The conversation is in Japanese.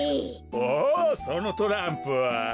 おおそのトランプは。